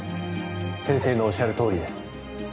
先生のおっしゃるとおりです。